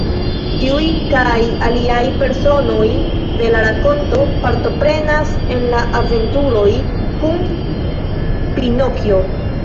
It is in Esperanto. Tiuj kaj aliaj personoj de la rakonto partoprenas en la aventuroj kun Pinokjo.